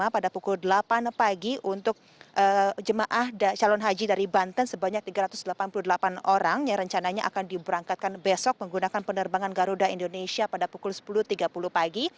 jadi ini adalah perjalanan pertama pada pukul delapan pagi untuk jemaah calon haji dari banten sebanyak tiga ratus delapan puluh delapan orang yang rencananya akan diberangkatkan besok menggunakan penerbangan garuda indonesia pada pukul sepuluh tiga puluh pagi